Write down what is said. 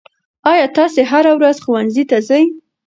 آیا تاسې هره ورځ ښوونځي ته ځئ؟